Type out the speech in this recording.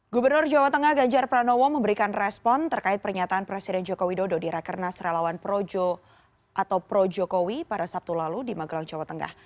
gubernur jawa tengah ganjar pranowo memberikan respon terkait pernyataan presiden joko widodo di rakernas relawan projo atau pro jokowi pada sabtu lalu di magelang jawa tengah